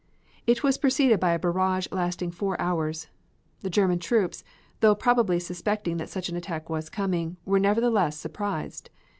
It was preceded by a barrage lasting four hours. The German troops, though probably suspecting that such an attack was coming, were nevertheless surprised.